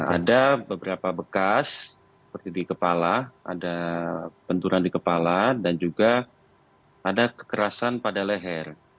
ada beberapa bekas seperti di kepala ada benturan di kepala dan juga ada kekerasan pada leher